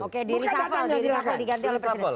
oke diri safal diganti oleh presiden